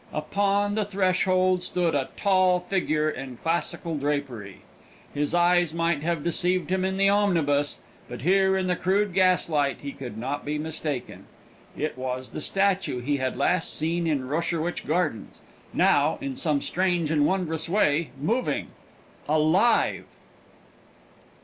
Upon the threshold stood a tall figure in classical drapery. His eyes might have deceived him in the omnibus; but here, in the crude gaslight, he could not be mistaken. It was the statue he had last seen in Rosherwich Gardens now, in some strange and wondrous way, moving alive!